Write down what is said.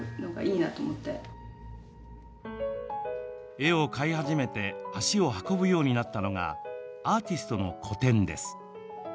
絵を買い始めて足を運ぶようになったのがアーティストの個展です。